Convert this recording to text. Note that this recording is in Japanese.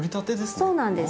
そうなんです。